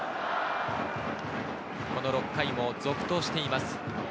この６回も続投しています、